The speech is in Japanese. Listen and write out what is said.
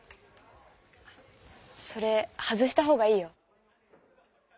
それ外した方がいいよ。